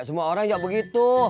semua orang enggak begitu